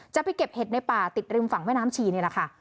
จะไปเก็บเห็ดในป่าติดริมฝั่งแม่น้ำชีนี่แหละค่ะ